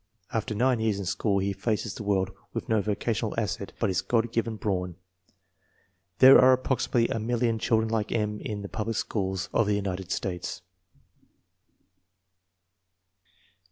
After nine years in school, he faces the world with no vocational asset but his God given brawn. There are approximately a million children like M. in the public schools of the United States.